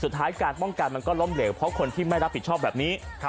สุดท้ายการป้องกันมันก็ล้มเหลวเพราะคนที่ไม่รับผิดชอบแบบนี้